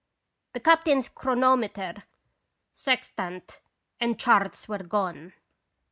The captain's chronometer, sextant, and charts were gone.